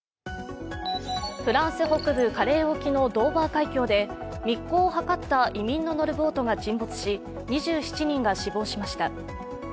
フランス北部カレー沖のドーバー海峡で密航を図った移民の乗るボートが沈没し２７人が死亡しました。